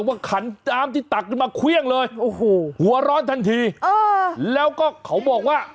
ขันน้ำที่ตักขึ้นมาเครื่องเลยโอ้โหหัวร้อนทันทีเออแล้วก็เขาบอกว่า